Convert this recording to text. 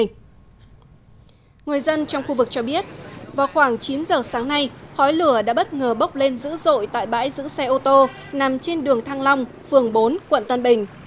người dân trong khu vực cho biết vào khoảng chín giờ sáng nay khói lửa đã bất ngờ bốc lên dữ dội tại bãi giữ xe ô tô nằm trên đường thăng long phường bốn quận tân bình